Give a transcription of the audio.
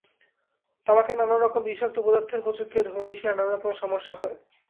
তামাকের নানা রকম বিষাক্ত পদার্থের প্রতিক্রিয়ায় ধমনি, শিরার নানা রকম সমস্যা হয়।